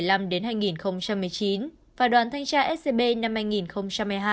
và đoàn thanh tra scb năm hai nghìn một mươi hai